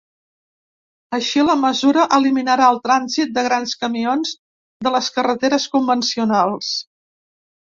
Així, la mesura eliminarà el trànsit de grans camions de les carreteres convencionals.